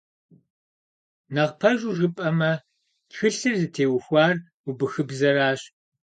Нэхъ пэжу жыпӀэмэ, тхылъыр зытеухуар убыхыбзэращ.